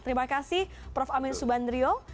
terima kasih prof amin subandrio